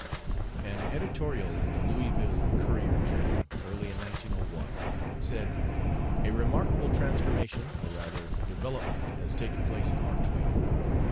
An editorial in the Louisville Courier Journal, early in 1901, said: "A remarkable transformation, or rather a development, has taken place in Mark Twain.